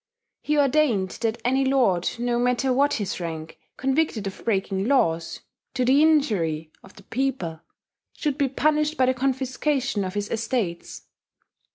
He ordained that any lord, no matter what his rank, convicted of breaking laws "to the injury of the people," should be punished by the confiscation of his estates.